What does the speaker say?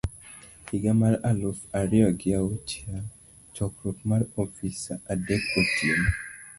higa mar aluf ariyo gi auchiel Chokruok mar Ofis Saa adek Otieno